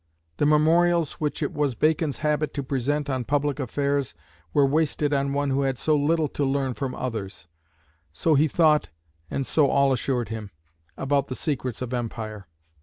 The memorials which it was Bacon's habit to present on public affairs were wasted on one who had so little to learn from others so he thought and so all assured him about the secrets of empire.